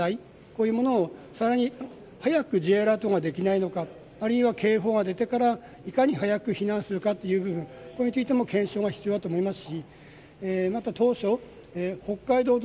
こういうものの課題、さらに早くＪアラートができないのかあるいは警報が出てからいかに早く避難するかという部分この部分についても続いては国会記者会館から瀬島記者です。